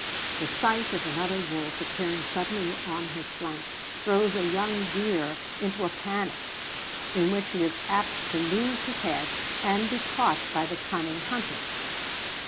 The sight of another wolf appearing suddenly on his flank throws a young deer into a panic, in which he is apt to lose his head and be caught by the cunning hunters.